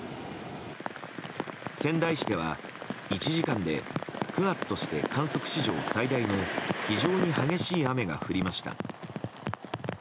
仙台市では１時間で９月として観測史上最大の非常に激しい雨が降りました。